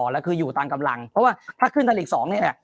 แล้วคืออยู่ตามกำลังเพราะว่าถ้าขึ้นไทยลีก๒นี่แหละ